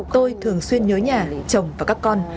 tôi thường xuyên nhớ nhà chồng và các con